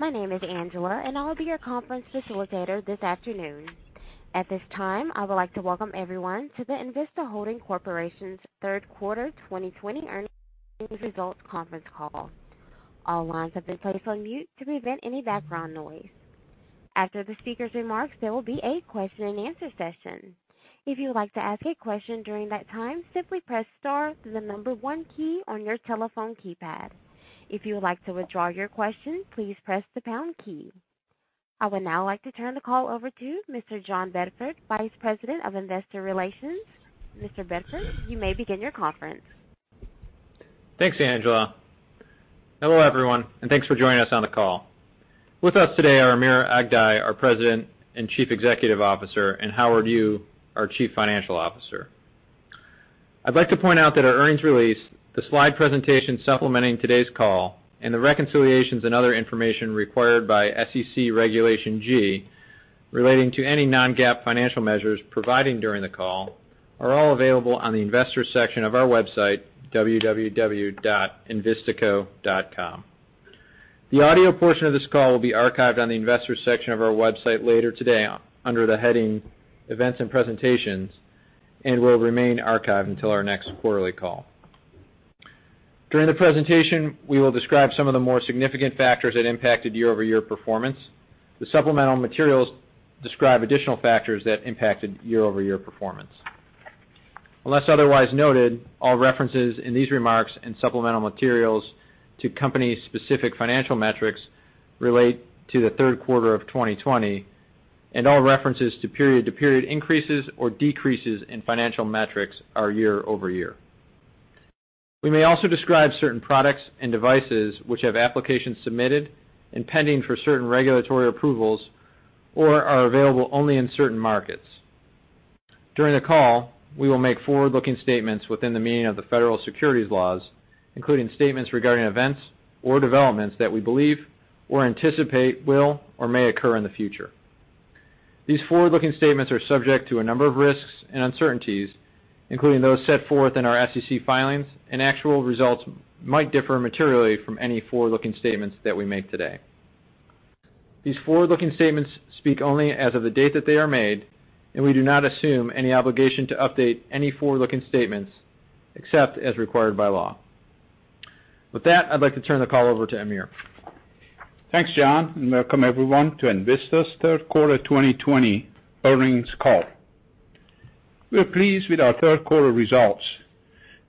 My name is Angela, and I'll be your conference facilitator this afternoon. At this time, I would like to welcome everyone to the Envista Holdings Corporation's third quarter 2020 earnings results conference call. All lines have been placed on mute to prevent any background noise. After the speaker's remarks, there will be a question-and-answer session. If you would like to ask a question during that time, simply press star, then the number one key on your telephone keypad. If you would like to withdraw your question, please press the pound key. I would now like to turn the call over to Mr. John Bedford, Vice President of Investor Relations. Mr. Bedford, you may begin your conference. Thanks, Angela. Hello, everyone, and thanks for joining us on the call. With us today are Amir Aghdaei, our President and Chief Executive Officer, and Howard Yu, our Chief Financial Officer. I'd like to point out that our earnings release, the slide presentation supplementing today's call, and the reconciliations and other information required by SEC Regulation G, relating to any non-GAAP financial measures provided during the call, are all available on the Investors section of our website, www.envistaco.com. The audio portion of this call will be archived on the Investors section of our website later today under the heading Events and Presentations, and will remain archived until our next quarterly call. During the presentation, we will describe some of the more significant factors that impacted year-over-year performance. The supplemental materials describe additional factors that impacted year-over-year performance. Unless otherwise noted, all references in these remarks and supplemental materials to company-specific financial metrics relate to the third quarter of 2020, and all references to period-to-period increases or decreases in financial metrics are year-over-year. We may also describe certain products and devices which have applications submitted and pending for certain regulatory approvals or are available only in certain markets. During the call, we will make forward-looking statements within the meaning of the federal securities laws, including statements regarding events or developments that we believe or anticipate will or may occur in the future. These forward-looking statements are subject to a number of risks and uncertainties, including those set forth in our SEC filings, and actual results might differ materially from any forward-looking statements that we make today. These forward-looking statements speak only as of the date that they are made, and we do not assume any obligation to update any forward-looking statements, except as required by law. With that, I'd like to turn the call over to Amir. Thanks, John, and welcome everyone to Envista's third quarter 2020 earnings call. We are pleased with our third quarter results,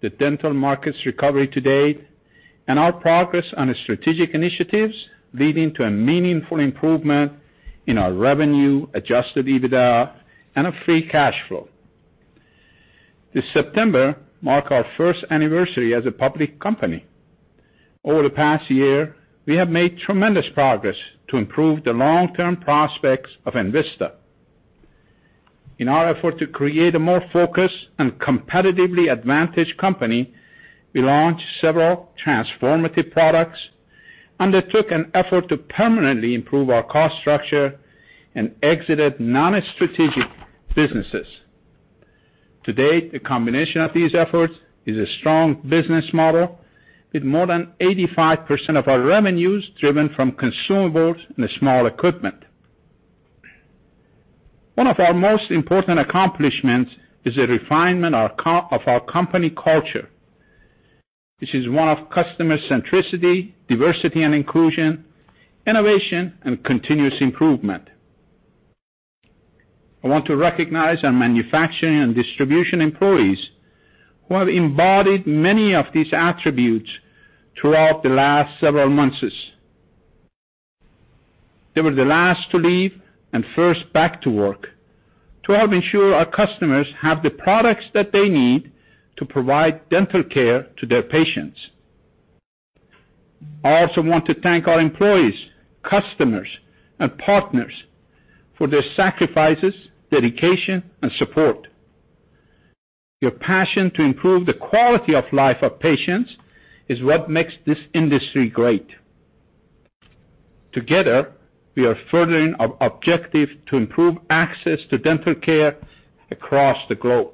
the dental market's recovery to date, and our progress on the strategic initiatives, leading to a meaningful improvement in our revenue, Adjusted EBITDA, and Free Cash Flow. This September marks our first anniversary as a public company. Over the past year, we have made tremendous progress to improve the long-term prospects of Envista. In our effort to create a more focused and competitively advantaged company, we launched several transformative products, undertook an effort to permanently improve our cost structure, and exited non-strategic businesses. To date, a combination of these efforts is a strong business model, with more than 85% of our revenues driven from consumables and small equipment. One of our most important accomplishments is a refinement of our company culture. This is one of customer centricity, diversity and inclusion, innovation, and continuous improvement. I want to recognize our manufacturing and distribution employees, who have embodied many of these attributes throughout the last several months. They were the last to leave and first back to work to help ensure our customers have the products that they need to provide dental care to their patients. I also want to thank our employees, customers, and partners for their sacrifices, dedication, and support. Your passion to improve the quality of life of patients is what makes this industry great. Together, we are furthering our objective to improve access to dental care across the globe.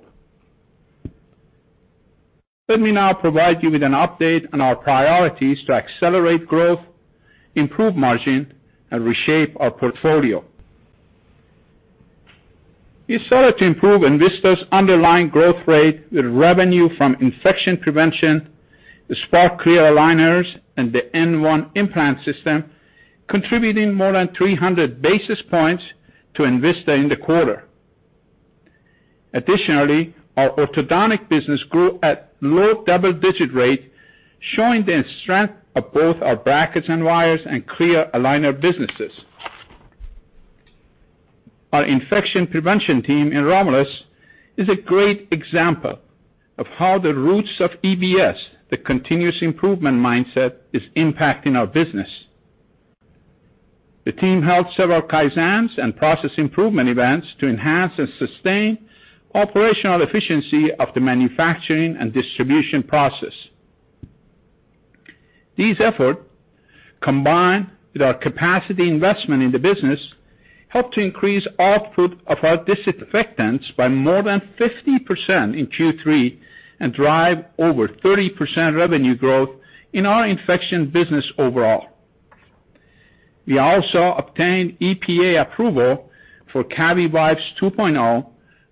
Let me now provide you with an update on our priorities to accelerate growth, improve margin, and reshape our portfolio. We started to improve Envista's underlying growth rate with revenue from infection prevention, the Spark Clear Aligners, and the N1 implant system, contributing more than 300 basis points to Envista in the quarter. Additionally, our orthodontic business grew at low double-digit rate, showing the strength of both our brackets and wires and clear aligner businesses. Our infection prevention team in Romulus is a great example of how the roots of EBS, the continuous improvement mindset, is impacting our business. The team held several Kaizens and process improvement events to enhance and sustain operational efficiency of the manufacturing and distribution process. These efforts, combined with our capacity investment in the business, helped to increase output of our disinfectants by more than 50% in Q3, and drive over 30% revenue growth in our infection business overall. We also obtained EPA approval for CaviWipes 2.0,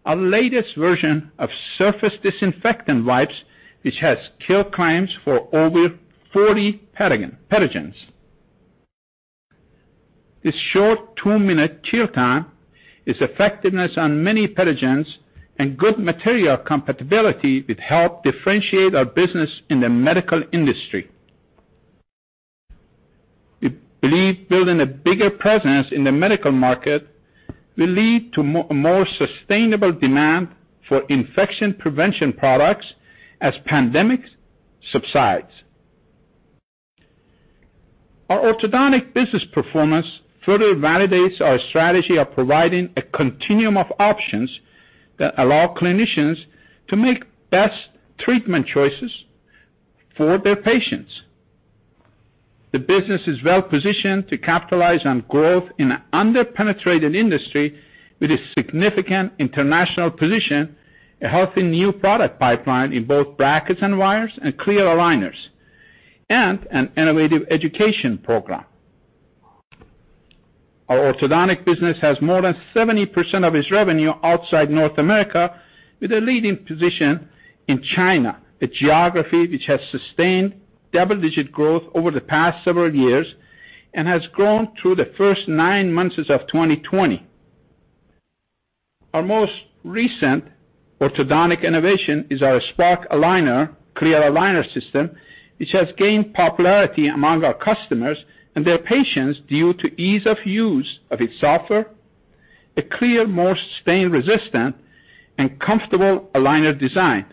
our latest version of surface disinfectant wipes, which has kill claims for over 40 pathogens. Its short 2-minute kill time, its effectiveness on many pathogens, and good material compatibility will help differentiate our business in the medical industry. We believe building a bigger presence in the medical market will lead to a more sustainable demand for infection prevention products as pandemic subsides. Our orthodontic business performance further validates our strategy of providing a continuum of options that allow clinicians to make best treatment choices for their patients. The business is well-positioned to capitalize on growth in an under-penetrated industry with a significant international position, a healthy new product pipeline in both brackets and wires and clear aligners, and an innovative education program. Our orthodontic business has more than 70% of its revenue outside North America, with a leading position in China, a geography which has sustained double-digit growth over the past several years, and has grown through the first nine months as of 2020. Our most recent orthodontic innovation is our Spark clear aligner system, which has gained popularity among our customers and their patients due to ease of use of its software, a clear, more stain-resistant, and comfortable aligner design.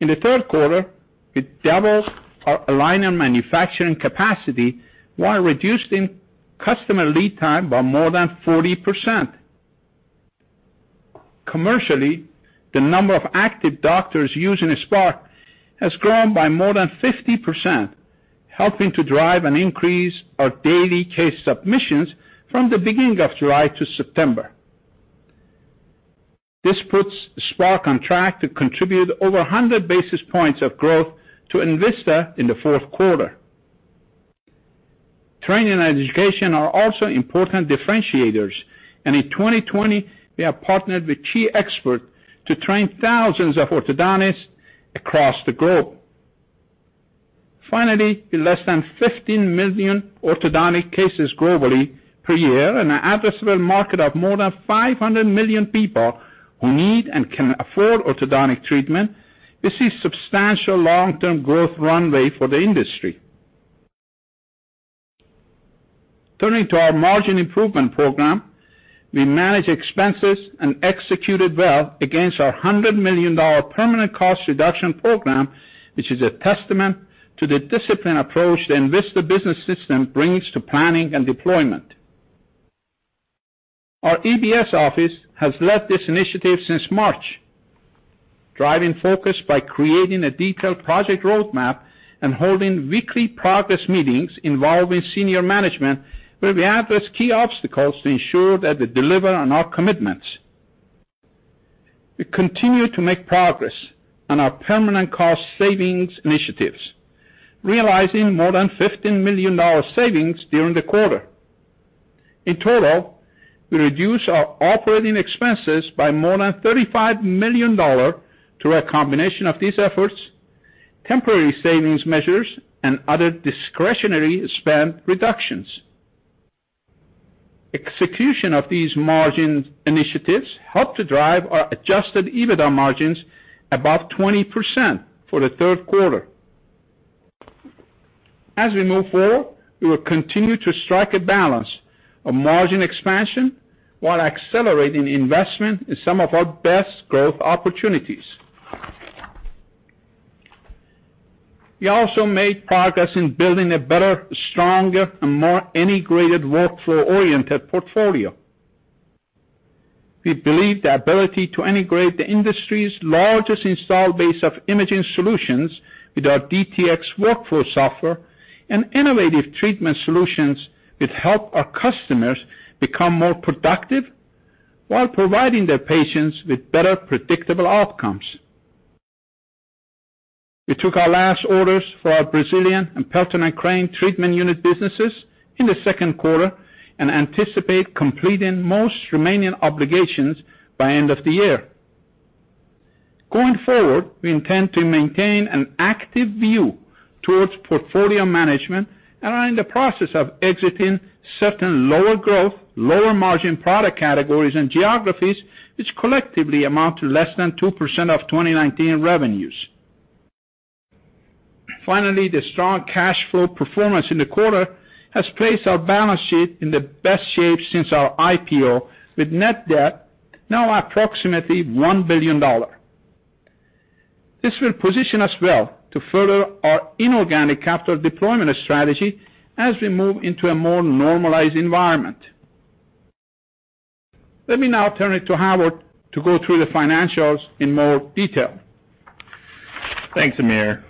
In the third quarter, we doubled our aligner manufacturing capacity while reducing customer lead time by more than 40%. Commercially, the number of active doctors using Spark has grown by more than 50%, helping to drive an increase in our daily case submissions from the beginning of July to September. This puts Spark on track to contribute over 100 basis points of growth to Envista in the fourth quarter. Training and education are also important differentiators, and in 2020, we have partnered with key expert to train thousands of orthodontists across the globe. Finally, with less than 15 million orthodontic cases globally per year and an addressable market of more than 500 million people who need and can afford orthodontic treatment, we see substantial long-term growth runway for the industry. Turning to our margin improvement program, we manage expenses and executed well against our $100 million permanent cost reduction program, which is a testament to the disciplined approach the Envista Business System brings to planning and deployment. Our EBS office has led this initiative since March, driving focus by creating a detailed project roadmap and holding weekly progress meetings involving senior management, where we address key obstacles to ensure that we deliver on our commitments. We continue to make progress on our permanent cost savings initiatives, realizing more than $15 million savings during the quarter. In total, we reduced our operating expenses by more than $35 million through a combination of these efforts, temporary savings measures, and other discretionary spend reductions. Execution of these margin initiatives helped to drive our Adjusted EBITDA margins above 20% for the third quarter. As we move forward, we will continue to strike a balance of margin expansion while accelerating investment in some of our best growth opportunities. We also made progress in building a better, stronger, and more integrated workflow-oriented portfolio. We believe the ability to integrate the industry's largest install base of imaging solutions with our DTX workflow software and innovative treatment solutions will help our customers become more productive while providing their patients with better, predictable outcomes. We took our last orders for our Brazilian and Pelton & Crane treatment unit businesses in the second quarter and anticipate completing most remaining obligations by end of the year. Going forward, we intend to maintain an active view towards portfolio management and are in the process of exiting certain lower growth, lower margin product categories and geographies, which collectively amount to less than 2% of 2019 revenues. Finally, the strong cash flow performance in the quarter has placed our balance sheet in the best shape since our IPO, with net debt now approximately $1 billion. This will position us well to further our inorganic capital deployment strategy as we move into a more normalized environment. Let me now turn it to Howard to go through the financials in more detail. Thanks, Amir.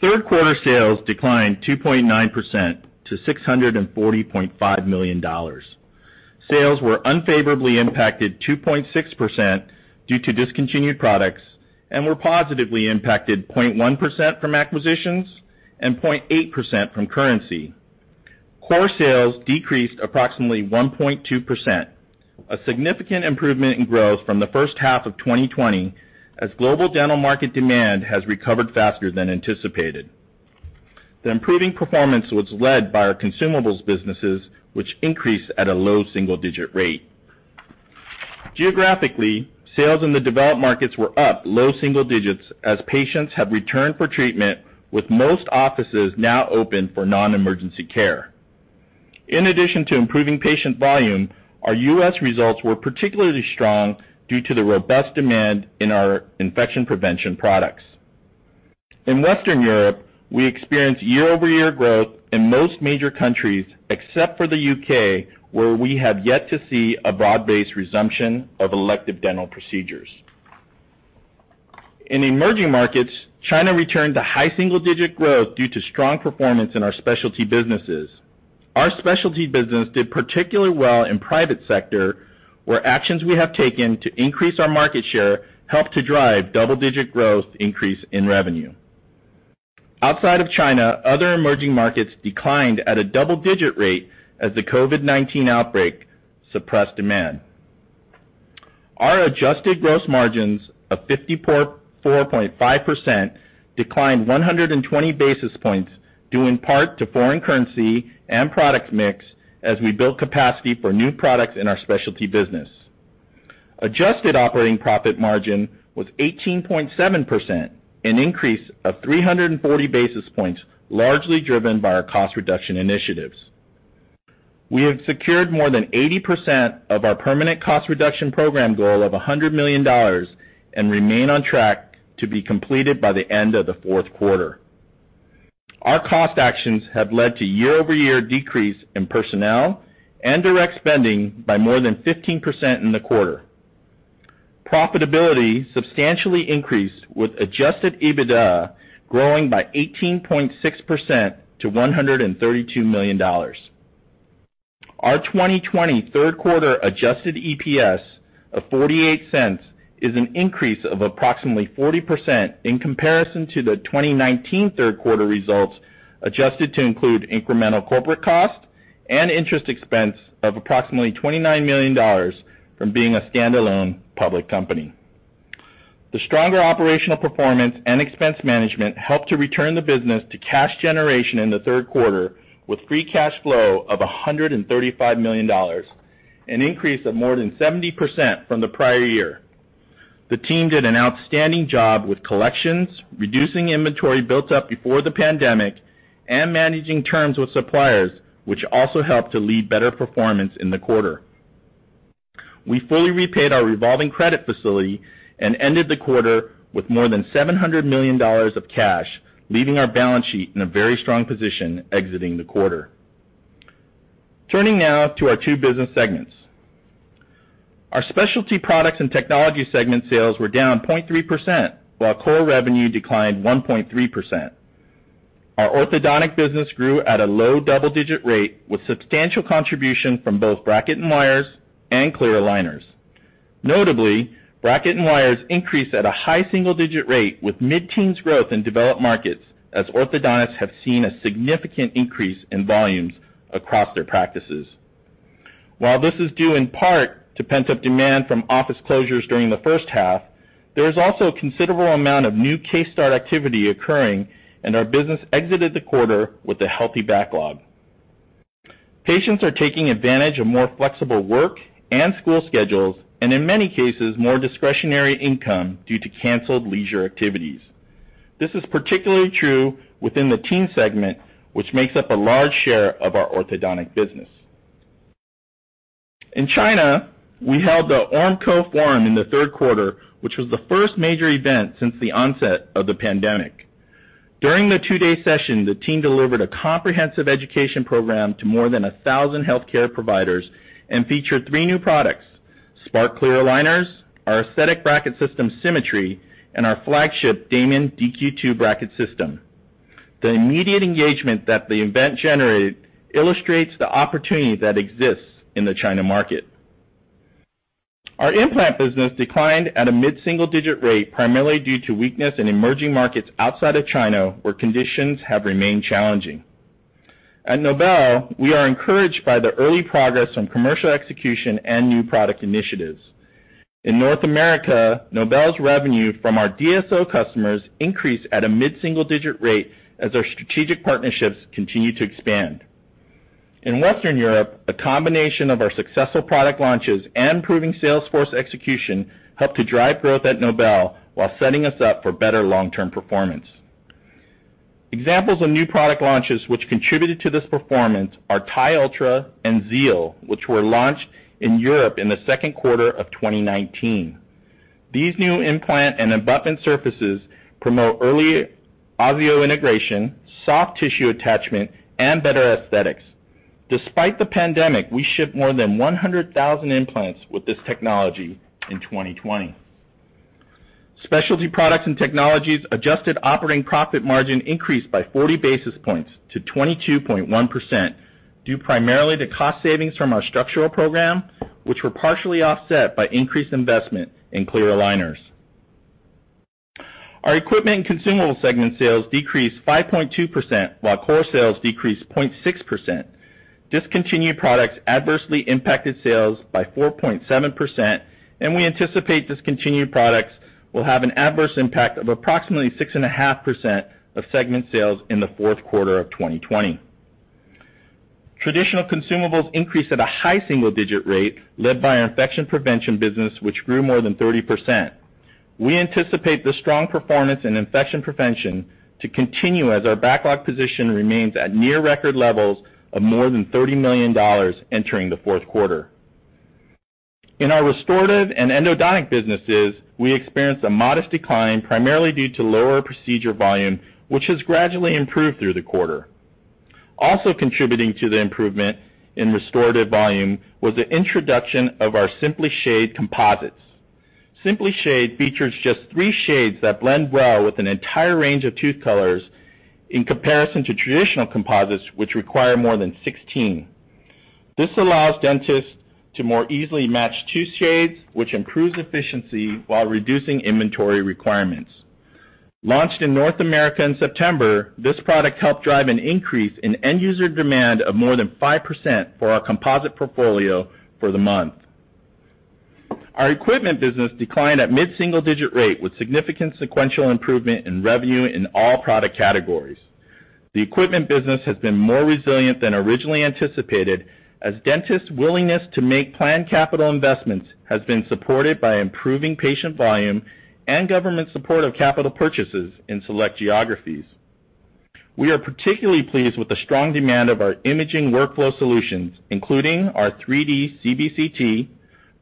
Third quarter sales declined 2.9% to $640.5 million. Sales were unfavorably impacted 2.6% due to discontinued products, and were positively impacted 0.1% from acquisitions and 0.8% from currency. Core sales decreased approximately 1.2%, a significant improvement in growth from the first half of 2020, as global dental market demand has recovered faster than anticipated. The improving performance was led by our consumables businesses, which increased at a low single-digit rate. Geographically, sales in the developed markets were up low single digits as patients have returned for treatment, with most offices now open for non-emergency care. In addition to improving patient volume, our U.S. results were particularly strong due to the robust demand in our infection prevention products. In Western Europe, we experienced year-over-year growth in most major countries, except for the U.K., where we have yet to see a broad-based resumption of elective dental procedures. In emerging markets, China returned to high single-digit growth due to strong performance in our specialty businesses. Our specialty business did particularly well in private sector, where actions we have taken to increase our market share helped to drive double-digit growth increase in revenue. Outside of China, other emerging markets declined at a double-digit rate as the COVID-19 outbreak suppressed demand. Our adjusted gross margins of 54.5% declined 120 basis points, due in part to foreign currency and product mix as we built capacity for new products in our specialty business. Adjusted operating profit margin was 18.7%, an increase of 340 basis points, largely driven by our cost reduction initiatives. We have secured more than 80% of our permanent cost reduction program goal of $100 million and remain on track to be completed by the end of the fourth quarter. Our cost actions have led to year-over-year decrease in personnel and direct spending by more than 15% in the quarter. Profitability substantially increased, with adjusted EBITDA growing by 18.6% to $132 million. Our 2023 third quarter adjusted EPS of $0.48 is an increase of approximately 40% in comparison to the 2019 third quarter results, adjusted to include incremental corporate cost and interest expense of approximately $29 million from being a standalone public company. The stronger operational performance and expense management helped to return the business to cash generation in the third quarter, with free cash flow of $135 million, an increase of more than 70% from the prior year. The team did an outstanding job with collections, reducing inventory built up before the pandemic, and managing terms with suppliers, which also helped to lead better performance in the quarter. We fully repaid our revolving credit facility and ended the quarter with more than $700 million of cash, leaving our balance sheet in a very strong position exiting the quarter. Turning now to our two business segments. Our specialty products and technology segment sales were down 0.3%, while core revenue declined 1.3%. Our orthodontic business grew at a low double-digit rate, with substantial contribution from both bracket and wires and clear aligners. Notably, brackets and wires increased at a high single-digit rate, with mid-teens growth in developed markets, as orthodontists have seen a significant increase in volumes across their practices. While this is due in part to pent-up demand from office closures during the first half, there is also a considerable amount of new case start activity occurring, and our business exited the quarter with a healthy backlog. Patients are taking advantage of more flexible work and school schedules, and in many cases, more discretionary income due to canceled leisure activities. This is particularly true within the teen segment, which makes up a large share of our orthodontic business. In China, we held the Ormco Forum in the third quarter, which was the first major event since the onset of the pandemic. During the two-day session, the team delivered a comprehensive education program to more than 1,000 healthcare providers and featured three new products: Spark Clear Aligners, our aesthetic bracket system, Symetri, and our flagship Damon Q2 bracket system. The immediate engagement that the event generated illustrates the opportunity that exists in the China market. Our implant business declined at a mid-single digit rate, primarily due to weakness in emerging markets outside of China, where conditions have remained challenging. At Nobel, we are encouraged by the early progress on commercial execution and new product initiatives. In North America, Nobel's revenue from our DSO customers increased at a mid-single digit rate as our strategic partnerships continue to expand. In Western Europe, a combination of our successful product launches and improving sales force execution helped to drive growth at Nobel while setting us up for better long-term performance. Examples of new product launches which contributed to this performance are TiUltra and Zeal, which were launched in Europe in the second quarter of 2019.... These new implant and abutment surfaces promote early osseointegration, soft tissue attachment, and better aesthetics. Despite the pandemic, we shipped more than 100,000 implants with this technology in 2020. Specialty products and technologies adjusted operating profit margin increased by 40 basis points to 22.1%, due primarily to cost savings from our structural program, which were partially offset by increased investment in clear aligners. Our equipment and consumables segment sales decreased 5.2%, while core sales decreased 0.6%. Discontinued products adversely impacted sales by 4.7%, and we anticipate discontinued products will have an adverse impact of approximately 6.5% of segment sales in the fourth quarter of 2020. Traditional consumables increased at a high single-digit rate, led by our infection prevention business, which grew more than 30%. We anticipate the strong performance in infection prevention to continue as our backlog position remains at near record levels of more than $30 million entering the fourth quarter. In our restorative and endodontic businesses, we experienced a modest decline, primarily due to lower procedure volume, which has gradually improved through the quarter. Also contributing to the improvement in restorative volume was the introduction of our SimpliShade composites. SimpliShade features just 3 shades that blend well with an entire range of tooth colors, in comparison to traditional composites, which require more than 16. This allows dentists to more easily match 2 shades, which improves efficiency while reducing inventory requirements. Launched in North America in September, this product helped drive an increase in end-user demand of more than 5% for our composite portfolio for the month. Our equipment business declined at mid-single-digit rate, with significant sequential improvement in revenue in all product categories. The equipment business has been more resilient than originally anticipated, as dentists' willingness to make planned capital investments has been supported by improving patient volume and government support of capital purchases in select geographies. We are particularly pleased with the strong demand of our imaging workflow solutions, including our 3D CBCT,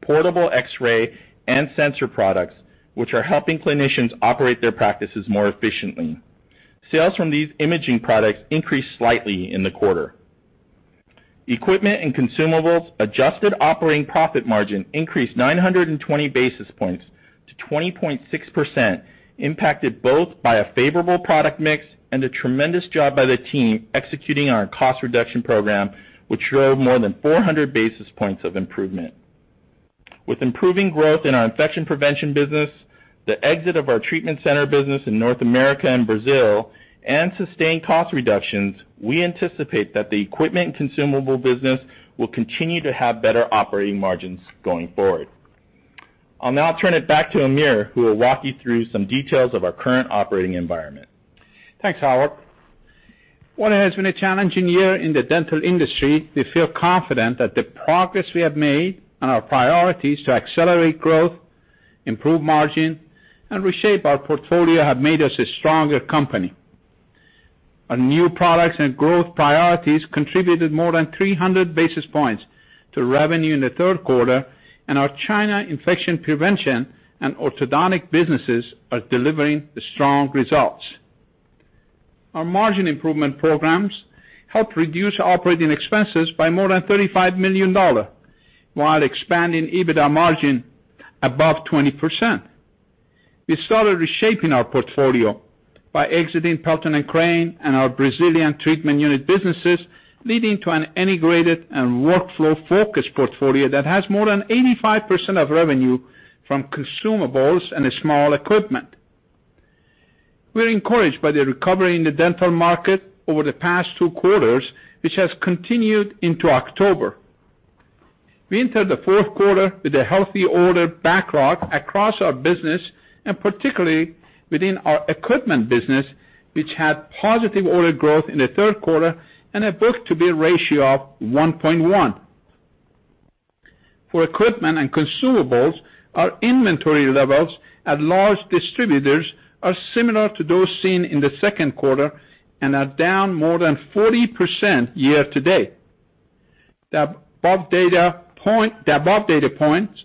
portable X-ray, and sensor products, which are helping clinicians operate their practices more efficiently. Sales from these imaging products increased slightly in the quarter. Equipment and consumables adjusted operating profit margin increased 920 basis points to 20.6%, impacted both by a favorable product mix and a tremendous job by the team executing our cost reduction program, which showed more than 400 basis points of improvement. With improving growth in our infection prevention business, the exit of our treatment unit business in North America and Brazil, and sustained cost reductions, we anticipate that the equipment and consumable business will continue to have better operating margins going forward. I'll now turn it back to Amir, who will walk you through some details of our current operating environment. Thanks, Howard. While it has been a challenging year in the dental industry, we feel confident that the progress we have made and our priorities to accelerate growth, improve margin, and reshape our portfolio have made us a stronger company. Our new products and growth priorities contributed more than 300 basis points to revenue in the third quarter, and our China infection prevention and orthodontic businesses are delivering the strong results. Our margin improvement programs helped reduce operating expenses by more than $35 million, while expanding EBITDA margin above 20%. We started reshaping our portfolio by exiting Pelton & Crane and our Brazilian treatment unit businesses, leading to an integrated and workflow-focused portfolio that has more than 85% of revenue from consumables and a small equipment. We're encouraged by the recovery in the dental market over the past two quarters, which has continued into October. We entered the fourth quarter with a healthy order backlog across our business, and particularly within our equipment business, which had positive order growth in the third quarter and a book-to-bill ratio of 1.1. For equipment and consumables, our inventory levels at large distributors are similar to those seen in the second quarter and are down more than 40% year to date. The above data point, the above data points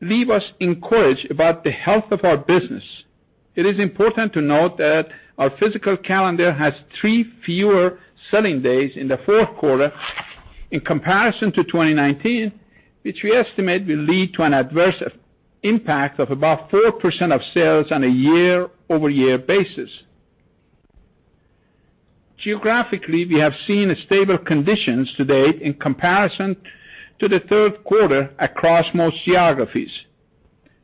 leave us encouraged about the health of our business. It is important to note that our physical calendar has 3 fewer selling days in the fourth quarter in comparison to 2019, which we estimate will lead to an adverse impact of about 4% of sales on a year-over-year basis. Geographically, we have seen stable conditions to date in comparison to the third quarter across most geographies.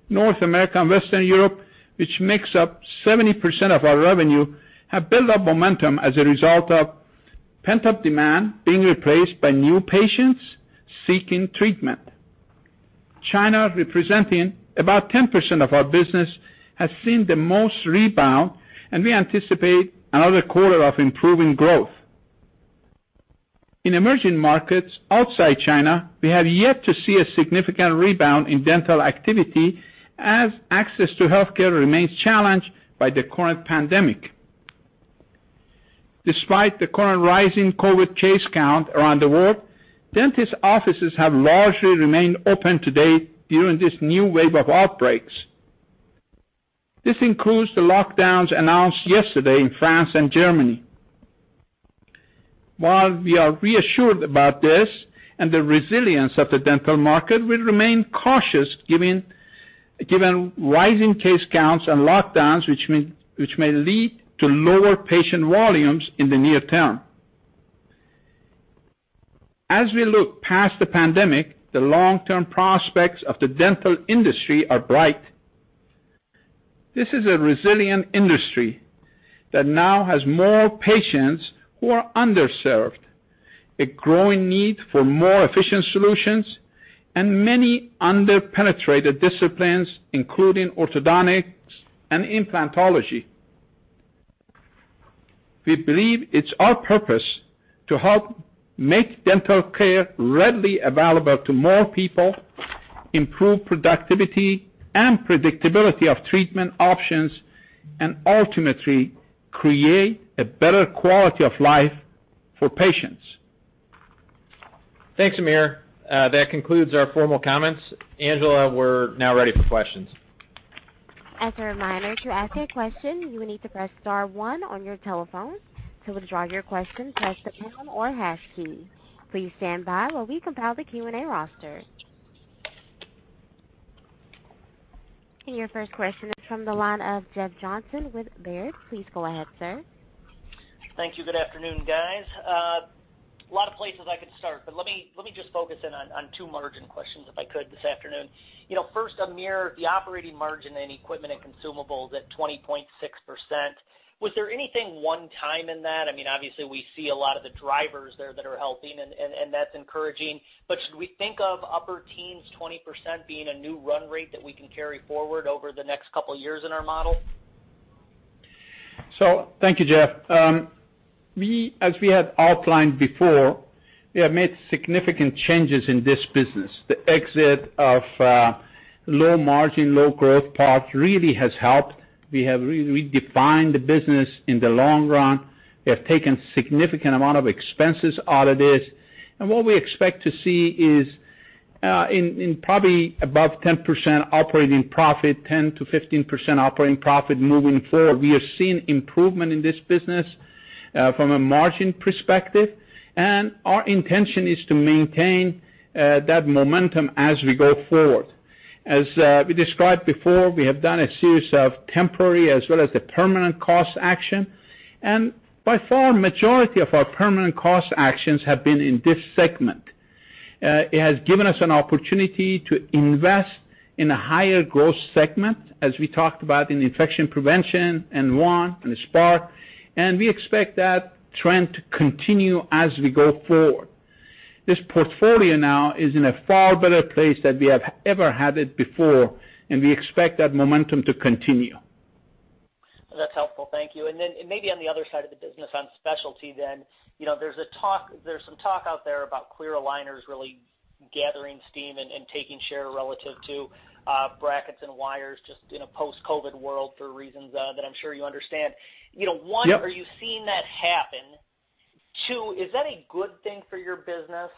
North America and Western Europe, which makes up 70% of our revenue, have built up momentum as a result of pent-up demand being replaced by new patients seeking treatment. China, representing about 10% of our business, has seen the most rebound, and we anticipate another quarter of improving growth. In emerging markets outside China, we have yet to see a significant rebound in dental activity as access to healthcare remains challenged by the current pandemic. Despite the current rising COVID case count around the world, dentist offices have largely remained open to date during this new wave of outbreaks. This includes the lockdowns announced yesterday in France and Germany. While we are reassured about this, the resilience of the dental market will remain cautious, given rising case counts and lockdowns, which may lead to lower patient volumes in the near term. As we look past the pandemic, the long-term prospects of the dental industry are bright. This is a resilient industry that now has more patients who are underserved, a growing need for more efficient solutions, and many under-penetrated disciplines, including orthodontics and implantology. We believe it's our purpose to help make dental care readily available to more people, improve productivity and predictability of treatment options, and ultimately, create a better quality of life for patients. Thanks, Amir. That concludes our formal comments. Angela, we're now ready for questions. As a reminder, to ask a question, you will need to press star one on your telephone. To withdraw your question, press the pound or hash key. Please stand by while we compile the Q&A roster. Your first question is from the line of Jeff Johnson with Baird. Please go ahead, sir. Thank you. Good afternoon, guys. A lot of places I could start, but let me, let me just focus in on, on two margin questions, if I could, this afternoon. You know, first, Amir, the operating margin and equipment and consumables at 20.6%. Was there anything one-time in that? I mean, obviously, we see a lot of the drivers there that are helping, and, and, and that's encouraging. But should we think of upper teens, 20% being a new run rate that we can carry forward over the next couple of years in our model? So thank you, Jeff. We—as we have outlined before, we have made significant changes in this business. The exit of low margin, low growth parts really has helped. We have really redefined the business in the long run. We have taken significant amount of expenses out of this, and what we expect to see is in probably above 10% operating profit, 10%-15% operating profit moving forward. We have seen improvement in this business from a margin perspective, and our intention is to maintain that momentum as we go forward. As we described before, we have done a series of temporary as well as the permanent cost action, and by far, majority of our permanent cost actions have been in this segment. It has given us an opportunity to invest in a higher growth segment, as we talked about in infection prevention and one, in the Spark, and we expect that trend to continue as we go forward. This portfolio now is in a far better place than we have ever had it before, and we expect that momentum to continue. That's helpful. Thank you. And then, maybe on the other side of the business, on specialty then, you know, there's some talk out there about clear aligners really gathering steam and taking share relative to brackets and wires, just in a post-COVID world for reasons that I'm sure you understand. You know, one- Yep. - Are you seeing that happen? Two, is that a good thing for your business?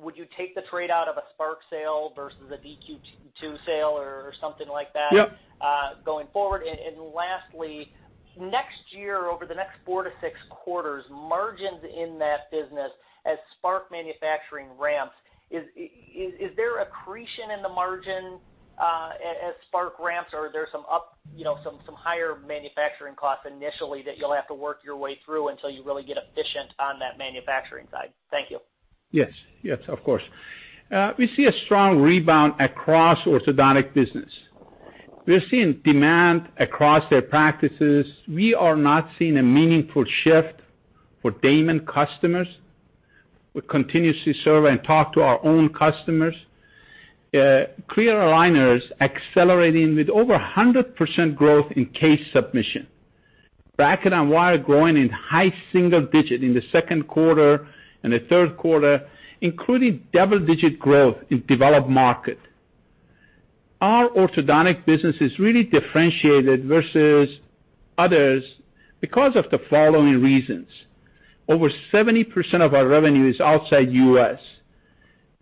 Would you take the trade out of a Spark sale versus a DQ2 sale or, or something like that- Yep. Going forward? And, and lastly, next year, over the next four to six quarters, margins in that business as Spark manufacturing ramps, is there accretion in the margin, as Spark ramps, or are there some, you know, some higher manufacturing costs initially that you'll have to work your way through until you really get efficient on that manufacturing side? Thank you. Yes. Yes, of course. We see a strong rebound across orthodontic business. We're seeing demand across their practices. We are not seeing a meaningful shift for Damon customers. We continuously serve and talk to our own customers. Clear aligners accelerating with over 100% growth in case submission. Bracket and wire growing in high single digit in the second quarter and the third quarter, including double-digit growth in developed market. Our orthodontic business is really differentiated versus others because of the following reasons. Over 70% of our revenue is outside U.S.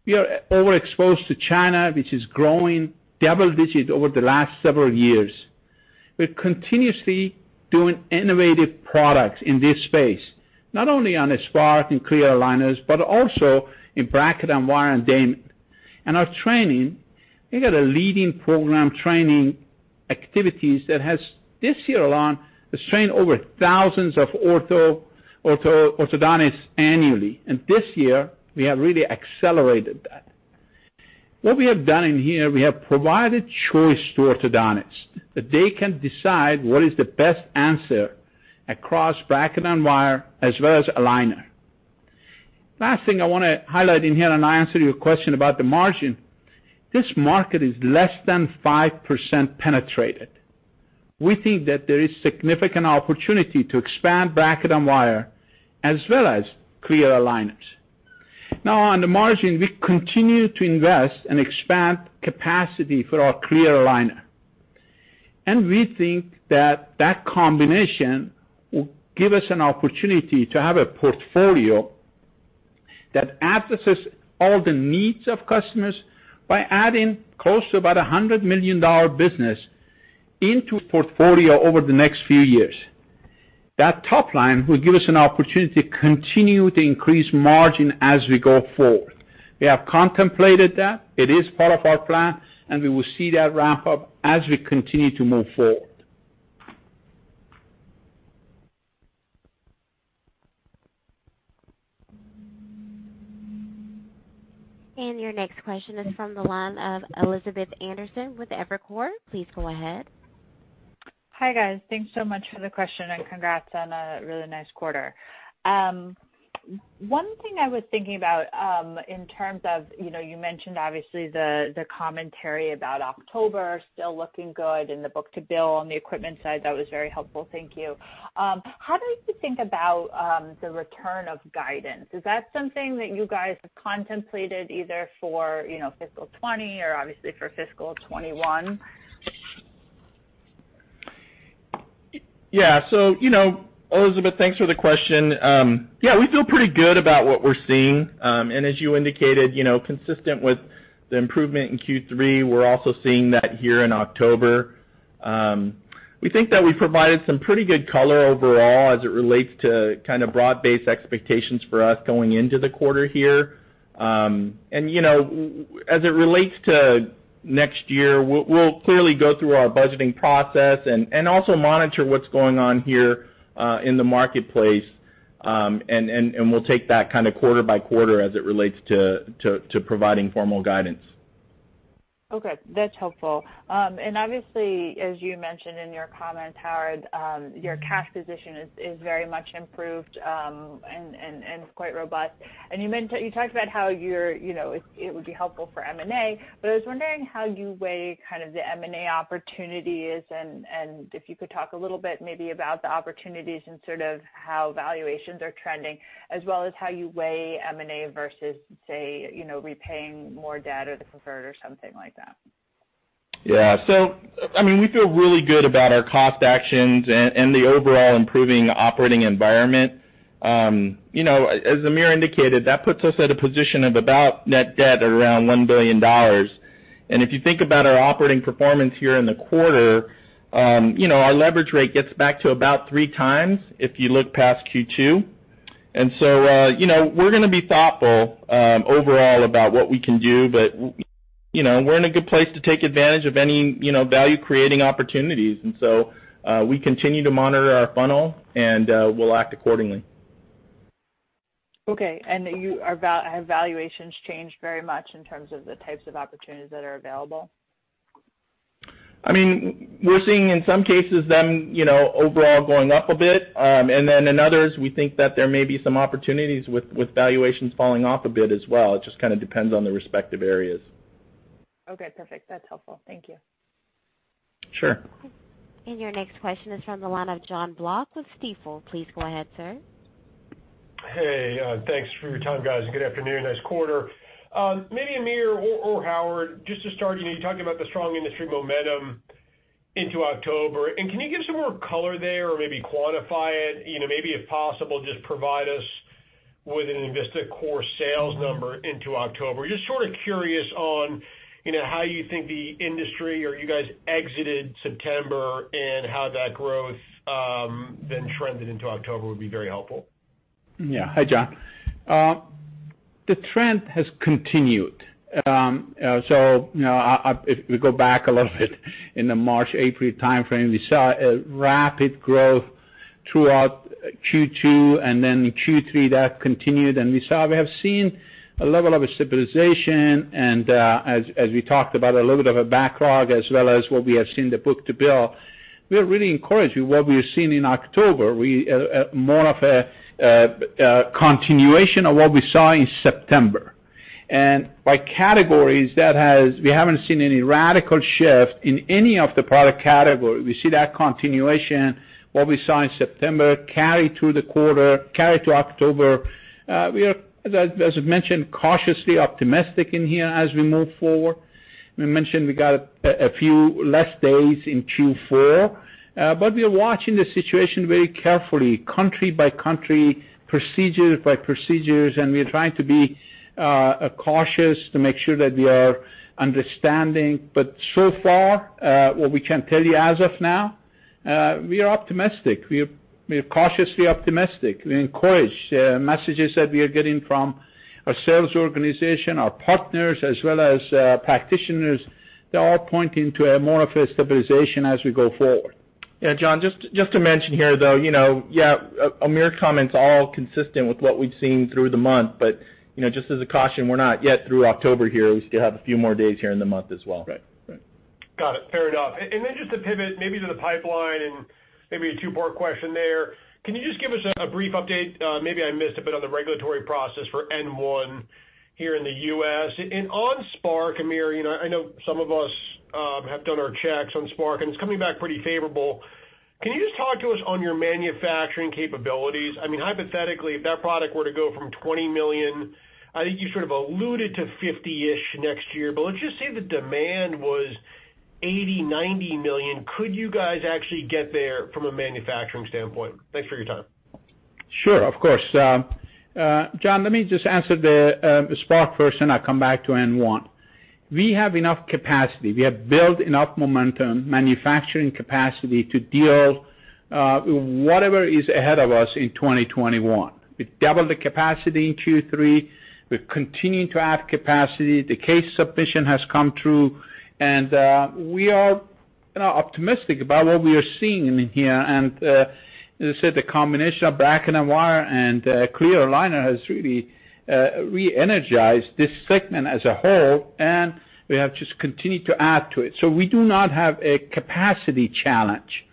We are overexposed to China, which is growing double digit over the last several years. We're continuously doing innovative products in this space, not only on the Spark and clear aligners, but also in bracket and wire and Damon. Our training, we got a leading program training activities that has, this year alone, has trained over thousands of orthodontists annually, and this year, we have really accelerated that. What we have done in here, we have provided choice to orthodontists, that they can decide what is the best answer across bracket and wire, as well as aligner. Last thing I wanna highlight in here, and I answer your question about the margin, this market is less than 5% penetrated. We think that there is significant opportunity to expand bracket and wire, as well as clear aligners. Now, on the margin, we continue to invest and expand capacity for our clear aligner. We think that that combination will give us an opportunity to have a portfolio that addresses all the needs of customers by adding close to about a $100 million business into portfolio over the next few years. That top line will give us an opportunity to continue to increase margin as we go forward. We have contemplated that, it is part of our plan, and we will see that ramp up as we continue to move forward. Your next question is from the line of Elizabeth Anderson with Evercore. Please go ahead. Hi, guys. Thanks so much for the question, and congrats on a really nice quarter. One thing I was thinking about, in terms of, you know, you mentioned obviously the, the commentary about October still looking good and the book-to-bill on the equipment side, that was very helpful. Thank you. How do you think about, the return of guidance? Is that something that you guys have contemplated either for, you know, fiscal 2020 or obviously for fiscal 2021? Yeah. So, you know, Elizabeth, thanks for the question. Yeah, we feel pretty good about what we're seeing. And as you indicated, you know, consistent with the improvement in Q3, we're also seeing that here in October. We think that we provided some pretty good color overall as it relates to kind of broad-based expectations for us going into the quarter here. And, you know, as it relates to next year, we'll clearly go through our budgeting process and also monitor what's going on here in the marketplace. And we'll take that kind of quarter by quarter as it relates to providing formal guidance. Okay, that's helpful. And obviously, as you mentioned in your comments, Howard, your cash position is, is very much improved, and quite robust. And you talked about how you're, you know, it would be helpful for M&A, but I was wondering how you weigh kind of the M&A opportunities, and if you could talk a little bit maybe about the opportunities and sort of how valuations are trending, as well as how you weigh M&A versus, say, you know, repaying more debt or the preferred or something like that. Yeah. So, I mean, we feel really good about our cost actions and, and the overall improving operating environment. You know, as Amir indicated, that puts us at a position of about net debt around $1 billion. And if you think about our operating performance here in the quarter, you know, our leverage rate gets back to about 3x if you look past Q2. And so, you know, we're going to be thoughtful, overall about what we can do, but, you know, we're in a good place to take advantage of any, you know, value-creating opportunities. And so, we continue to monitor our funnel, and, we'll act accordingly. Okay. And you, have valuations changed very much in terms of the types of opportunities that are available? I mean, we're seeing in some cases them, you know, overall going up a bit. And then in others, we think that there may be some opportunities with, with valuations falling off a bit as well. It just kind of depends on the respective areas. Okay, perfect. That's helpful. Thank you. Sure. Your next question is from the line of Jonathan Block with Stifel. Please go ahead, sir. Hey, thanks for your time, guys, and good afternoon. Nice quarter. Maybe Amir or, or Howard, just to start, you know, you talked about the strong industry momentum into October. Can you give some more color there or maybe quantify it? You know, maybe, if possible, just provide us with an Envista core sales number into October. Just sort of curious on, you know, how you think the industry or you guys exited September and how that growth, then trended into October would be very helpful. Yeah. Hi, Jon. The trend has continued. So, you know, if we go back a little bit in the March, April timeframe, we saw a rapid growth throughout Q2, and then Q3, that continued, and we saw we have seen a level of stabilization, and, as we talked about, a little bit of a backlog, as well as what we have seen the book-to-bill. We are really encouraged with what we've seen in October. We, more of a continuation of what we saw in September. And by categories, that has we haven't seen any radical shift in any of the product category. We see that continuation, what we saw in September, carry through the quarter, carry to October. We are, as I mentioned, cautiously optimistic in here as we move forward. We mentioned we got a few less days in Q4, but we are watching the situation very carefully, country by country, procedures by procedures, and we are trying to be cautious to make sure that we are understanding. But so far, what we can tell you as of now, we are optimistic. We are, we are cautiously optimistic. We're encouraged. Messages that we are getting from our sales organization, our partners, as well as practitioners, they're all pointing to more of a stabilization as we go forward. Yeah, Jon, just to mention here, though, you know, yeah, Amir's comments are all consistent with what we've seen through the month. But, you know, just as a caution, we're not yet through October here. We still have a few more days here in the month as well. Right. Right. Got it. Fair enough. And then just to pivot maybe to the pipeline and maybe a two-part question there. Can you just give us a brief update, maybe I missed a bit on the regulatory process for N1 here in the U.S.? And on Spark, Amir, you know, I know some of us have done our checks on Spark, and it's coming back pretty favorable. Can you just talk to us on your manufacturing capabilities? I mean, hypothetically, if that product were to go from $20 million, I think you sort of alluded to 50-ish next year, but let's just say the demand was $80 million-$90 million, could you guys actually get there from a manufacturing standpoint? Thanks for your time. Sure, of course. Jon, let me just answer the Spark first, and I'll come back to N1. We have enough capacity. We have built enough momentum, manufacturing capacity to deal whatever is ahead of us in 2021. We doubled the capacity in Q3. We're continuing to add capacity. The case submission has come through, and we are, you know, optimistic about what we are seeing in here. And as I said, the combination of bracket and wire and clear aligner has really re-energized this segment as a whole, and we have just continued to add to it. So we do not have a capacity challenge.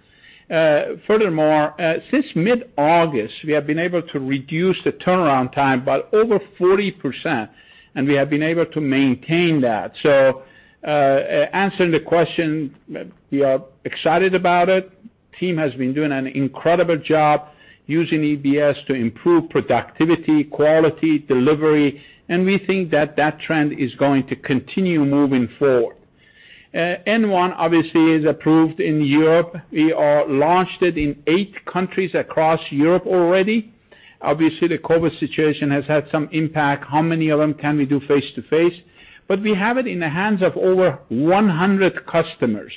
Furthermore, since mid-August, we have been able to reduce the turnaround time by over 40%, and we have been able to maintain that. So, answering the question, we are excited about it. team has been doing an incredible job using EBS to improve productivity, quality, delivery, and we think that that trend is going to continue moving forward. N1 obviously is approved in Europe. We have launched it in 8 countries across Europe already. Obviously, the COVID situation has had some impact. How many of them can we do face-to-face? But we have it in the hands of over 100 customers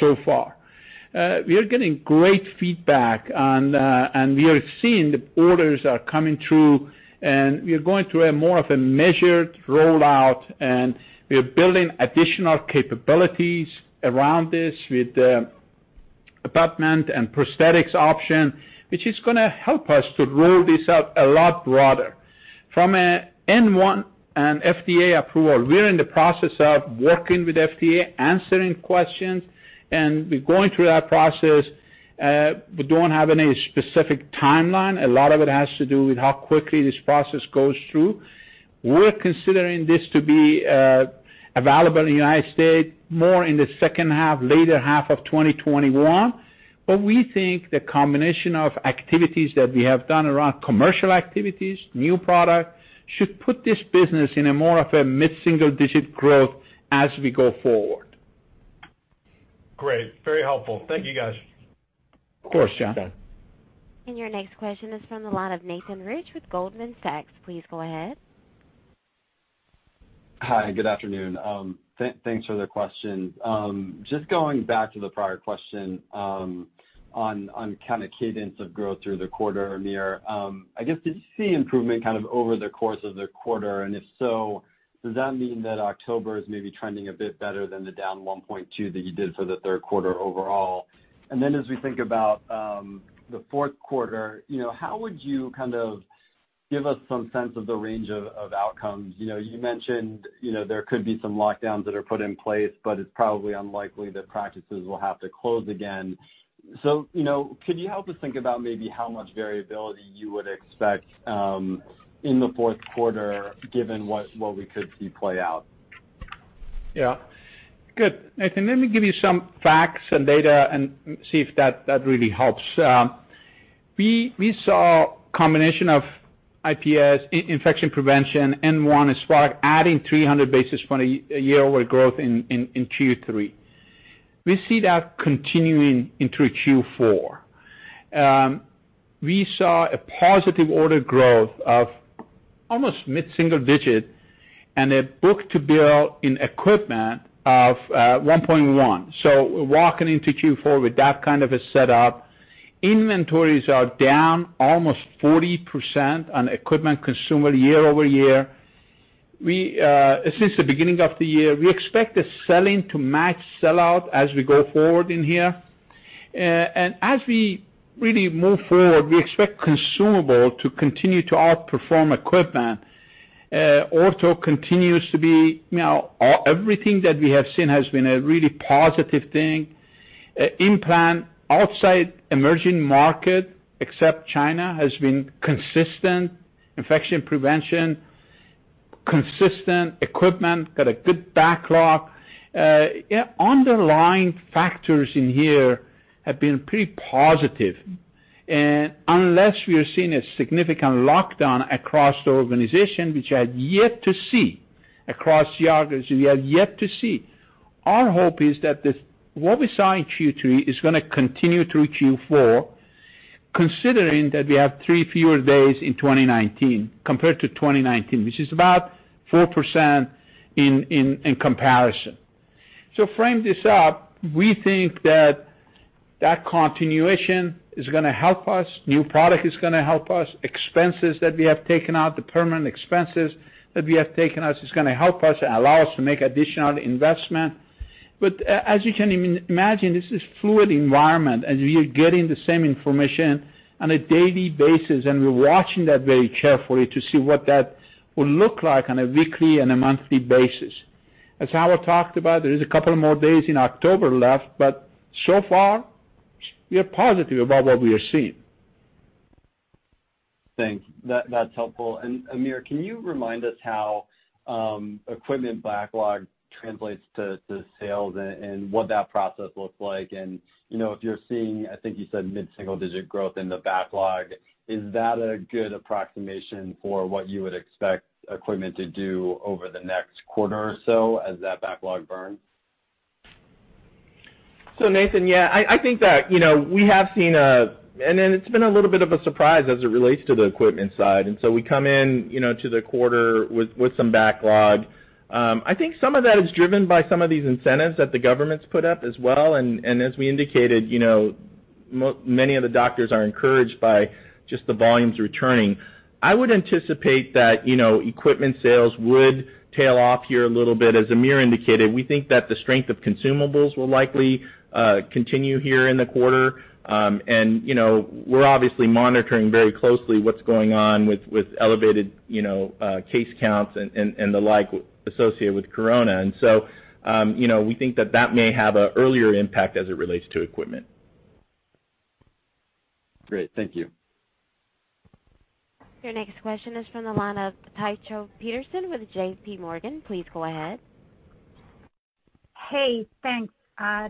so far. We are getting great feedback on, and we are seeing the orders are coming through, and we are going through more of a measured rollout, and we are building additional capabilities around this with abutment and prosthetics option, which is gonna help us to roll this out a lot broader. From an N1 and FDA approval, we're in the process of working with FDA, answering questions, and we're going through that process. We don't have any specific timeline. A lot of it has to do with how quickly this process goes through. We're considering this to be available in the United States more in the second half, later half of 2021. But we think the combination of activities that we have done around commercial activities, new product, should put this business in a more of a mid-single-digit growth as we go forward. Great. Very helpful. Thank you, guys. Of course, John. Your next question is from the line of Nathan Rich with Goldman Sachs. Please go ahead. Hi, good afternoon. Thanks for the question. Just going back to the prior question, on kind of cadence of growth through the quarter, Amir. I guess, did you see improvement kind of over the course of the quarter? And if so, does that mean that October is maybe trending a bit better than the down 1.2 that you did for the third quarter overall? And then, as we think about the fourth quarter, you know, how would you kind of give us some sense of the range of outcomes? You know, you mentioned, you know, there could be some lockdowns that are put in place, but it's probably unlikely that practices will have to close again. You know, could you help us think about maybe how much variability you would expect in the fourth quarter, given what we could see play out? Yeah. Good, Nathan. Let me give you some facts and data and see if that really helps. We saw a combination of IP, infection prevention, N1, and Spark adding 300 basis points year-over-year growth in Q3. We see that continuing into Q4. We saw a positive order growth of almost mid-single-digit and a book-to-bill in equipment of 1.1. So walking into Q4 with that kind of a setup, inventories are down almost 40% on equipment consumables year-over-year. We since the beginning of the year expect the selling to match sell out as we go forward here. And as we really move forward, we expect consumables to continue to outperform equipment. Ortho continues to be, you know, everything that we have seen has been a really positive thing. Implants, outside emerging markets except China, have been consistent. Infection prevention, consistent. Equipment, got a good backlog. Yeah, underlying factors in here have been pretty positive. Unless we are seeing a significant lockdown across the organization, which I have yet to see, across geographies, we have yet to see, our hope is that what we saw in Q3 is gonna continue through Q4, considering that we have three fewer days in 2019, compared to 2019, which is about 4% in comparison. To frame this up, we think that that continuation is gonna help us, new product is gonna help us, expenses that we have taken out, the permanent expenses that we have taken out, is gonna help us and allow us to make additional investment. But as you can imagine, this is a fluid environment, and we are getting the same information on a daily basis, and we're watching that very carefully to see what that will look like on a weekly and a monthly basis. As Howard talked about, there is a couple of more days in October left, but so far, we are positive about what we are seeing.... Thanks. That, that's helpful. And Amir, can you remind us how equipment backlog translates to sales and what that process looks like? And, you know, if you're seeing, I think you said mid-single-digit growth in the backlog, is that a good approximation for what you would expect equipment to do over the next quarter or so as that backlog burns? So Nathan, yeah, I think that, you know, we have seen and then it's been a little bit of a surprise as it relates to the equipment side. And so we come in, you know, to the quarter with some backlog. I think some of that is driven by some of these incentives that the government's put up as well. And as we indicated, you know, many of the doctors are encouraged by just the volumes returning. I would anticipate that, you know, equipment sales would tail off here a little bit. As Amir indicated, we think that the strength of consumables will likely continue here in the quarter. And, you know, we're obviously monitoring very closely what's going on with elevated, you know, case counts and the like associated with Corona. And so, you know, we think that that may have an earlier impact as it relates to equipment. Great, thank you. Your next question is from the line of Tycho Peterson with JPMorgan. Please go ahead. Hey, thanks.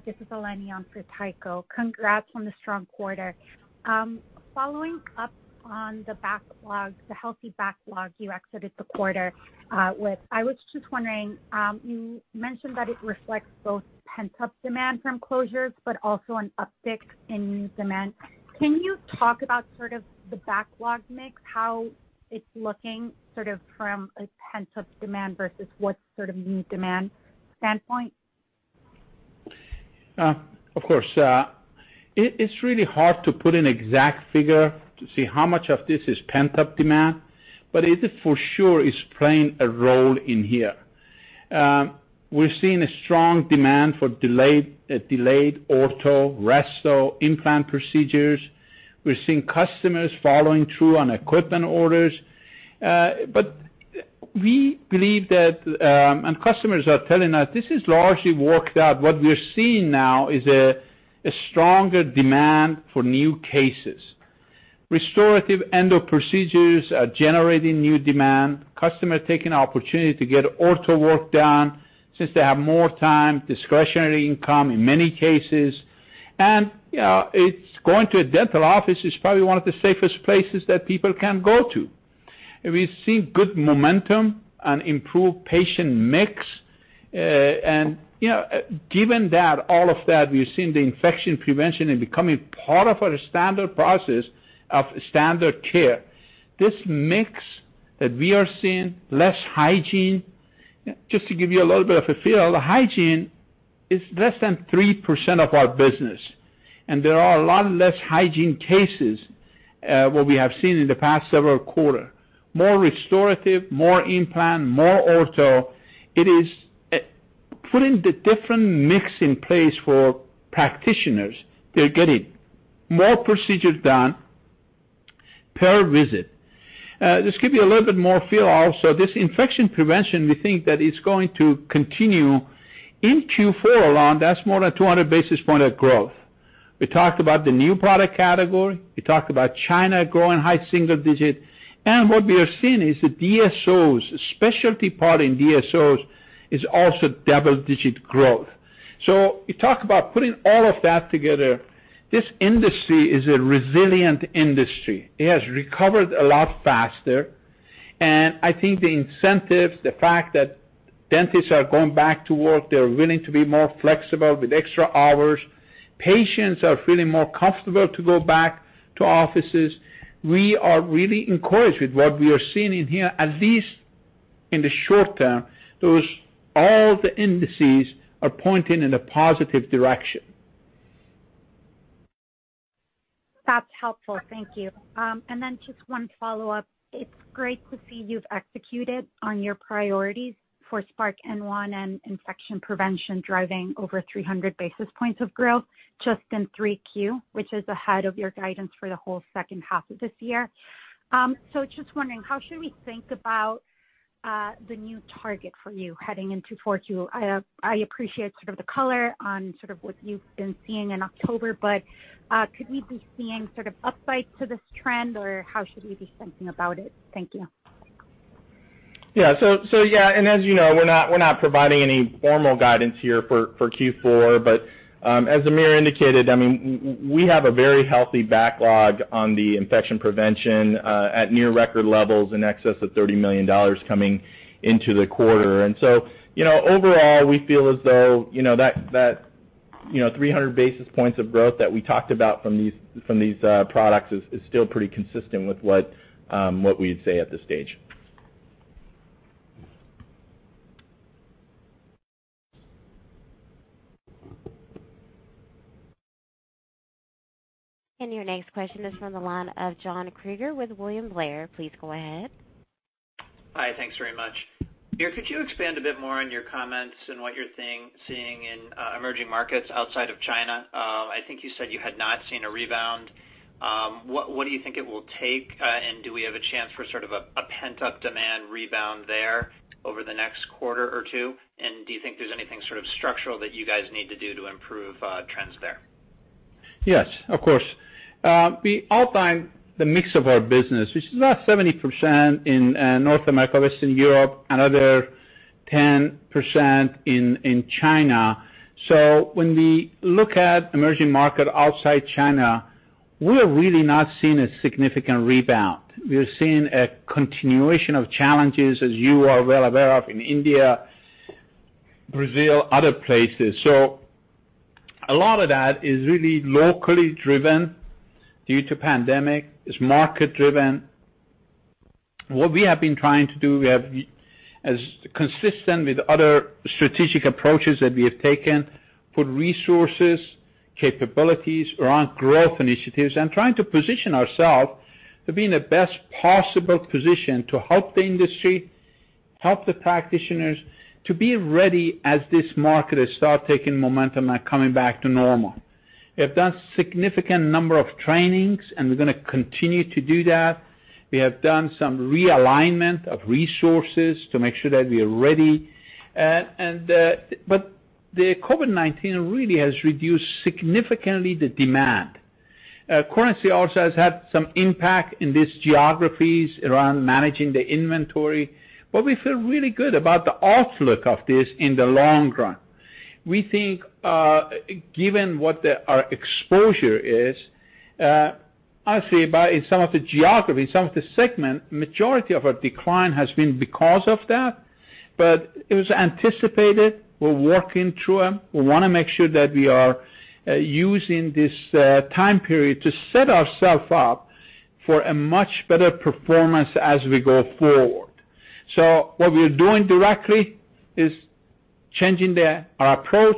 This is Eleni on for Tycho. Congrats on the strong quarter. Following up on the backlog, the healthy backlog you exited the quarter with, I was just wondering, you mentioned that it reflects both pent-up demand from closures, but also an uptick in new demand. Can you talk about sort of the backlog mix, how it's looking, sort of from a pent-up demand versus what sort of new demand standpoint? Of course. It's really hard to put an exact figure to see how much of this is pent-up demand, but it for sure is playing a role in here. We're seeing a strong demand for delayed ortho, resto, implant procedures. We're seeing customers following through on equipment orders. But we believe that, and customers are telling us, this is largely worked out. What we're seeing now is a stronger demand for new cases. Restorative endo procedures are generating new demand. Customers taking the opportunity to get ortho work done since they have more time, discretionary income in many cases. And, it's going to a dental office is probably one of the safest places that people can go to. We've seen good momentum and improved patient mix. And, you know, given that, all of that, we've seen the infection prevention in becoming part of our standard process of standard care. This mix that we are seeing, less hygiene. Just to give you a little bit of a feel, hygiene is less than 3% of our business, and there are a lot less hygiene cases, what we have seen in the past several quarter. More restorative, more implant, more ortho. It is putting the different mix in place for practitioners. They're getting more procedures done per visit. Just give you a little bit more feel also, this infection prevention, we think that it's going to continue in Q4 alone. That's more than 200 basis point of growth. We talked about the new product category. We talked about China growing high single digit. What we are seeing is the DSOs, specialty part in DSOs, is also double-digit growth. So you talk about putting all of that together, this industry is a resilient industry. It has recovered a lot faster. I think the incentives, the fact that dentists are going back to work, they're willing to be more flexible with extra hours. Patients are feeling more comfortable to go back to offices. We are really encouraged with what we are seeing in here, at least in the short term. Those, all the indices are pointing in a positive direction. That's helpful. Thank you. And then just one follow-up. It's great to see you've executed on your priorities for Spark N1 and infection prevention, driving over 300 basis points of growth just in Q3, which is ahead of your guidance for the whole second half of this year. So just wondering, how should we think about the new target for you heading into Q4? I appreciate sort of the color on sort of what you've been seeing in October, but could we be seeing sort of upside to this trend, or how should we be thinking about it? Thank you. Yeah. So yeah, and as you know, we're not providing any formal guidance here for Q4. But as Amir indicated, I mean, we have a very healthy backlog on the infection prevention at near record levels in excess of $30 million coming into the quarter. And so, you know, overall, we feel as though, you know, that 300 basis points of growth that we talked about from these products is still pretty consistent with what we'd say at this stage. Your next question is from the line of John Kreger with William Blair. Please go ahead. Hi, thanks very much. Amir, could you expand a bit more on your comments and what you're seeing in emerging markets outside of China? I think you said you had not seen a rebound. What do you think it will take? And do we have a chance for sort of a pent-up demand rebound there over the next quarter or two? And do you think there's anything sort of structural that you guys need to do to improve trends there?... Yes, of course. We outline the mix of our business, which is about 70% in North America, Western Europe, another 10% in China. So when we look at emerging market outside China, we are really not seeing a significant rebound. We are seeing a continuation of challenges, as you are well aware of, in India, Brazil, other places. So a lot of that is really locally driven due to pandemic, it's market driven. What we have been trying to do, we have, as consistent with other strategic approaches that we have taken, put resources, capabilities around growth initiatives, and trying to position ourself to be in the best possible position to help the industry, help the practitioners to be ready as this market has start taking momentum and coming back to normal. We have done significant number of trainings, and we're going to continue to do that. We have done some realignment of resources to make sure that we are ready. But the COVID-19 really has reduced significantly the demand. Currency also has had some impact in these geographies around managing the inventory, but we feel really good about the outlook of this in the long run. We think, given what our exposure is, honestly, in some of the geography, some of the segment, majority of our decline has been because of that, but it was anticipated. We're working through them. We want to make sure that we are using this time period to set ourself up for a much better performance as we go forward. So what we're doing directly is changing our approach,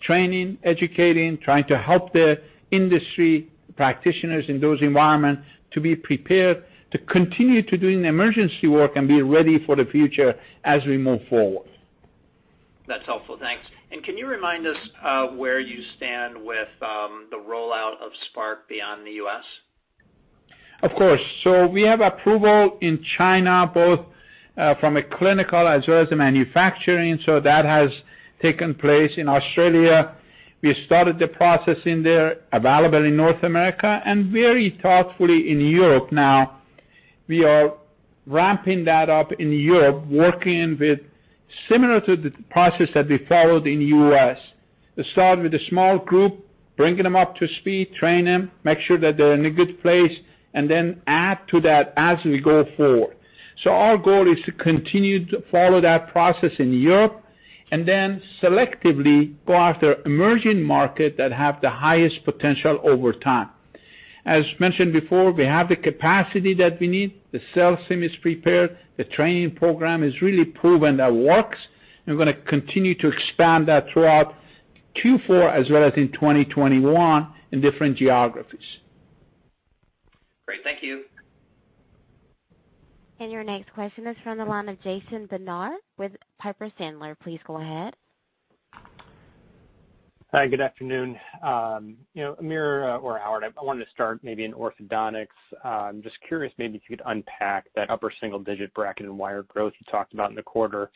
training, educating, trying to help the industry practitioners in those environments to be prepared to continue to doing the emergency work and be ready for the future as we move forward. That's helpful, thanks. Can you remind us where you stand with the rollout of Spark beyond the U.S.? Of course. So we have approval in China, both from a clinical as well as the manufacturing, so that has taken place in Australia. We started the process in there, available in North America, and very thoughtfully in Europe. Now, we are ramping that up in Europe, working with similar to the process that we followed in the U.S. To start with a small group, bringing them up to speed, train them, make sure that they're in a good place, and then add to that as we go forward. So our goal is to continue to follow that process in Europe and then selectively go after emerging market that have the highest potential over time. As mentioned before, we have the capacity that we need. The sales team is prepared, the training program has really proven that works, and we're going to continue to expand that throughout Q4 as well as in 2021 in different geographies. Great. Thank you. Your next question is from the line of Jason Bednar with Piper Sandler. Please go ahead. Hi, good afternoon. You know, Amir or Howard, I wanted to start maybe in orthodontics. I'm just curious, maybe if you could unpack that upper single digit bracket and wire growth you talked about in the quarter.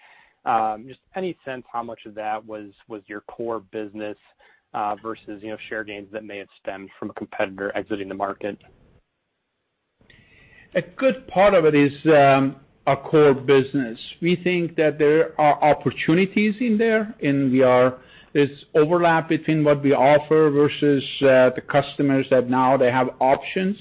Just any sense how much of that was your core business, versus, you know, share gains that may have stemmed from a competitor exiting the market? A good part of it is, our core business. We think that there are opportunities in there, and there's overlap between what we offer versus, the customers that now they have options.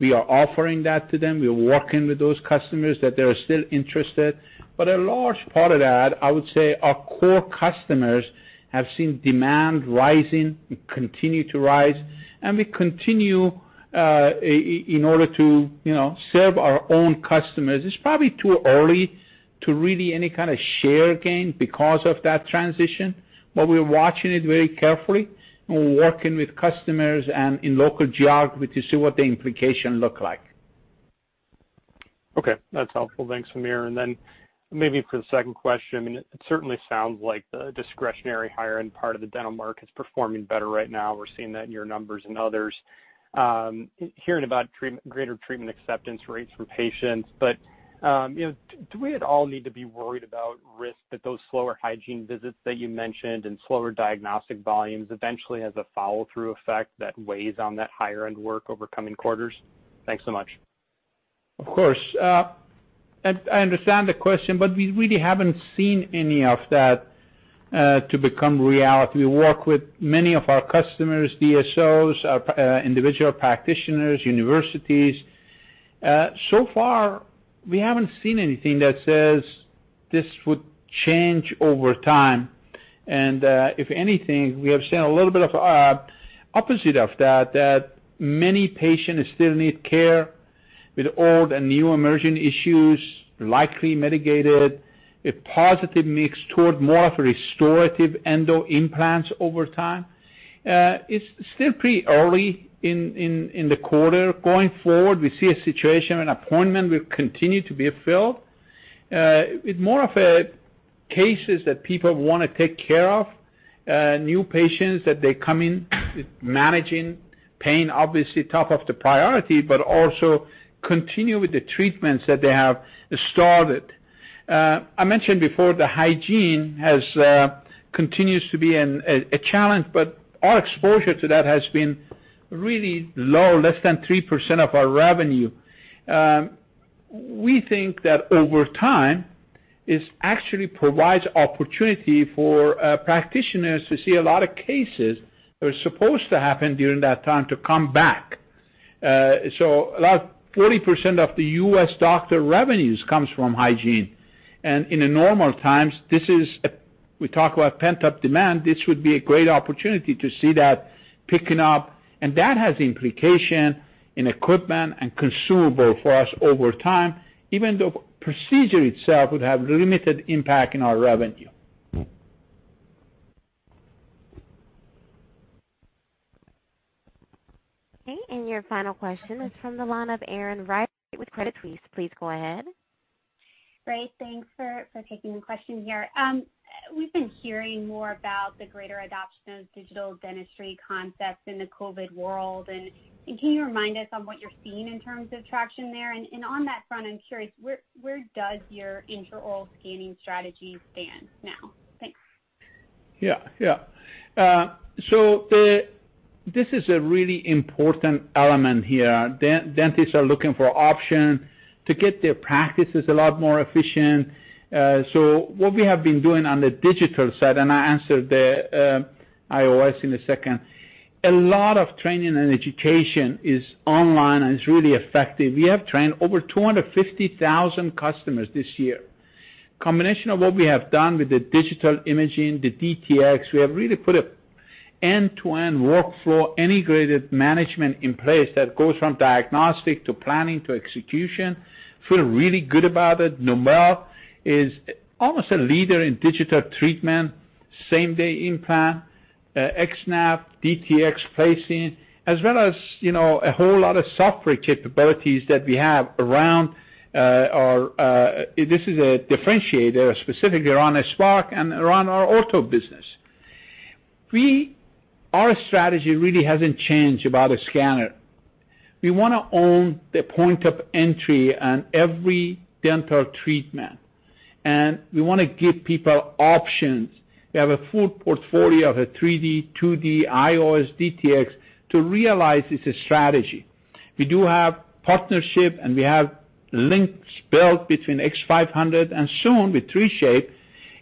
We are offering that to them. We are working with those customers, that they are still interested. But a large part of that, I would say our core customers have seen demand rising and continue to rise, and we continue, in order to, you know, serve our own customers. It's probably too early to really any kind of share gain because of that transition, but we're watching it very carefully, and we're working with customers and in local geography to see what the implication look like. Okay, that's helpful. Thanks, Amir. And then maybe for the second question, I mean, it certainly sounds like the discretionary higher end part of the dental market is performing better right now. We're seeing that in your numbers and others, hearing about treatment, greater treatment acceptance rates from patients. But, you know, do we at all need to be worried about risk that those slower hygiene visits that you mentioned and slower diagnostic volumes eventually has a follow-through effect that weighs on that higher end work over coming quarters? Thanks so much. Of course. I understand the question, but we really haven't seen any of that to become reality. We work with many of our customers, DSOs, our individual practitioners, universities. So far, we haven't seen anything that says this would change over time. And if anything, we have seen a little bit of opposite of that, that many patients still need care with old and new emerging issues, likely mitigated, a positive mix toward more of a restorative endo implants over time. It's still pretty early in the quarter. Going forward, we see a situation where appointment will continue to be filled with more of cases that people want to take care of, new patients, that they come in managing pain, obviously top of the priority, but also continue with the treatments that they have started. I mentioned before, the hygiene continues to be a challenge, but our exposure to that has been really low, less than 3% of our revenue. We think that over time, this actually provides opportunity for practitioners to see a lot of cases that are supposed to happen during that time to come back. So about 40% of the U.S. doctor revenues comes from hygiene. In the normal times, this is, we talk about pent-up demand, this would be a great opportunity to see that picking up, and that has implication in equipment and consumable for us over time, even though procedure itself would have limited impact in our revenue. Okay, and your final question is from the line of Erin Wright with Credit Suisse. Please go ahead. Great. Thanks for taking the question here. We've been hearing more about the greater adoption of digital dentistry concepts in the COVID world, and can you remind us on what you're seeing in terms of traction there? And on that front, I'm curious, where does your intraoral scanning strategy stand now? Thanks. Yeah, yeah. So this is a really important element here. Dentists are looking for options to get their practices a lot more efficient. So what we have been doing on the digital side, and I answer the IOS in a second. A lot of training and education is online, and it's really effective. We have trained over 250,000 customers this year. Combination of what we have done with the digital imaging, the DTX, we have really put an end-to-end workflow, integrated management in place that goes from diagnostic to planning to execution. Feel really good about it. Nobel is almost a leader in digital treatment, same-day implant, X-Nav, DTX placing, as well as, you know, a whole lot of software capabilities that we have around our. This is a differentiator, specifically around Spark and around our ortho business. Our strategy really hasn't changed about the scanner. We wanna own the point of entry on every dental treatment, and we wanna give people options. We have a full portfolio of a 3D, 2D, IOS, DTX, to realize it's a strategy. We do have partnership, and we have links built between X500 and soon with 3Shape,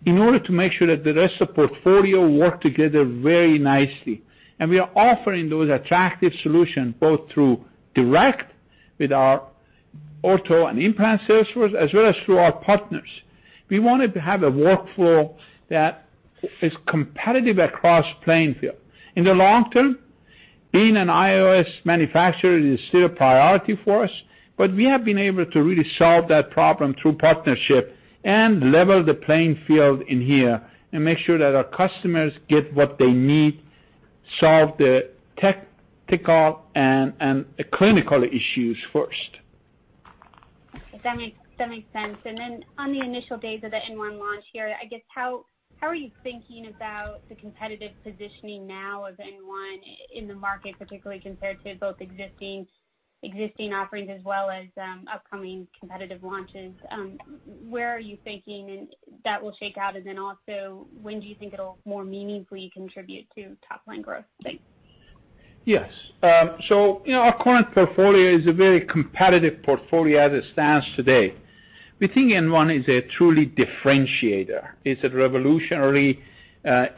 in order to make sure that the rest of portfolio work together very nicely. And we are offering those attractive solutions, both through direct with our ortho and implant sales force, as well as through our partners. We wanted to have a workflow that is competitive across playing field. In the long term, being an IOS manufacturer is still a priority for us, but we have been able to really solve that problem through partnership and level the playing field in here, and make sure that our customers get what they need, solve the technical and clinical issues first. That makes sense. And then on the initial days of the N1 launch here, I guess, how are you thinking about the competitive positioning now of N1 in the market, particularly compared to both existing offerings as well as upcoming competitive launches? Where are you thinking that will shake out, and then also, when do you think it'll more meaningfully contribute to top-line growth? Thanks. Yes. So you know, our current portfolio is a very competitive portfolio as it stands today. We think N1 is a truly differentiator. It's a revolutionary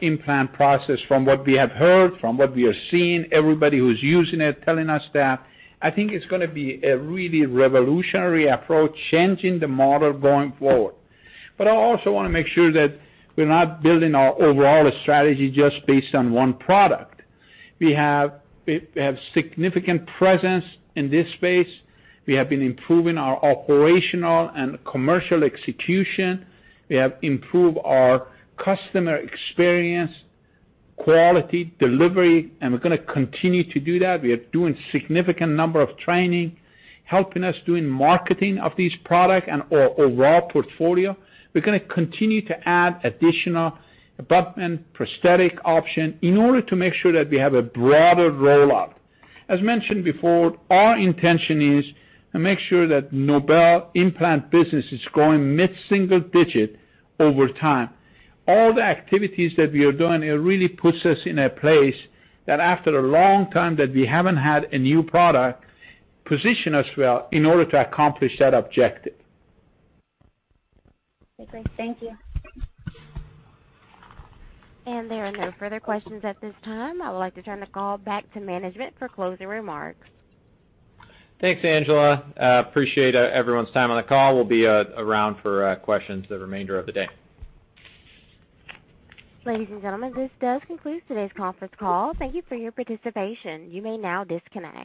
implant process from what we have heard, from what we are seeing, everybody who's using it telling us that. I think it's gonna be a really revolutionary approach, changing the model going forward. But I also want to make sure that we're not building our overall strategy just based on one product. We have, we have significant presence in this space. We have been improving our operational and commercial execution. We have improved our customer experience, quality, delivery, and we're gonna continue to do that. We are doing significant number of training, helping us doing marketing of these products and our overall portfolio. We're gonna continue to add additional abutment, prosthetic option in order to make sure that we have a broader rollout. As mentioned before, our intention is to make sure that Nobel implant business is growing mid-single-digit over time. All the activities that we are doing, it really puts us in a place that after a long time, that we haven't had a new product, position us well in order to accomplish that objective. Okay, great. Thank you. And there are no further questions at this time. I would like to turn the call back to management for closing remarks. Thanks, Angela. Appreciate everyone's time on the call. We'll be around for questions the remainder of the day. Ladies and gentlemen, this does conclude today's conference call. Thank you for your participation. You may now disconnect.